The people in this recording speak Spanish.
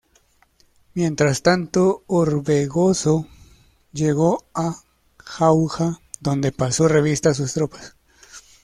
Mientras tanto, Orbegoso llegó a Jauja donde pasó revista a sus tropas.